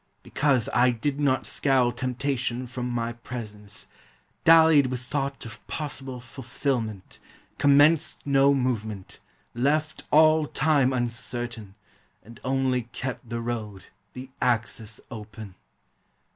Because I did not scowl temptation from my presence, Dallied with thought of possible fulfilment, Commenced no movement, left all time uncertain, And only kept the road, the access open!